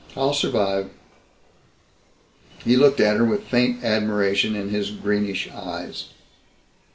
"I'll survive." He looked at her with faint admiration in his greenish eyes.